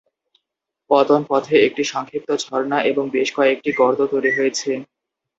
পতন পথে একটি সংক্ষিপ্ত ঝর্ণা এবং বেশ কয়েকটি গর্ত তৈরী হয়েছে।